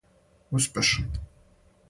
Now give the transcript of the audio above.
успешан